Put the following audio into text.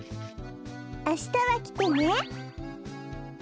あしたはきてね。